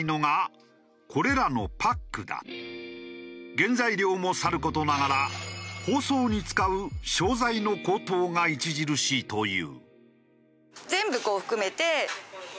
原材料もさる事ながら包装に使う商材の高騰が著しいという。